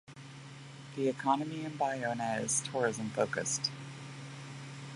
The economy in Baiona is Tourism focused.